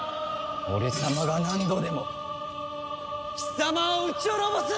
俺様が何度でも貴様を討ち滅ぼす！